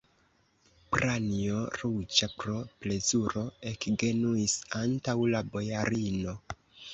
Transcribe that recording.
Pranjo, ruĝa pro plezuro, ekgenuis antaŭ la bojarino.